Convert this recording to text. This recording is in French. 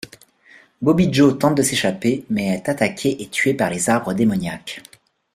Bobby Joe tente de s'échapper mais est attaqué et tué par les arbres démoniaques.